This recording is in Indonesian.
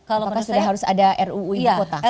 apakah sudah harus ada ruu ibu kota